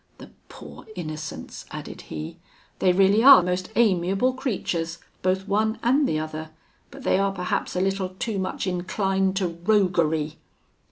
The poor innocents!' added he; 'they really are most amiable creatures, both one and the other; but they are perhaps a little too much inclined to roguery.'